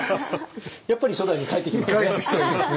やっぱり初代に返ってきますね。